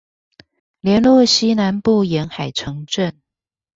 聯絡西南部沿海城鎮